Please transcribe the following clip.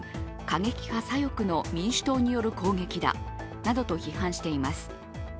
過激派左翼の民主党による攻撃だなどと批判しています。